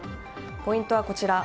ポイントはこちら。